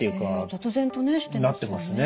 雑然とねしてますね。